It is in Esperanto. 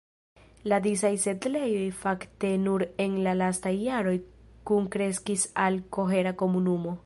La disaj setlejoj fakte nur en la lastaj jaroj kunkreskis al kohera komunumo.